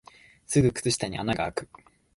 すぐ靴下に穴があく